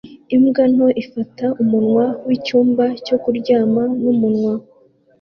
Imbwa nto ifata umunwa wicyumba cyo kuryama numunwa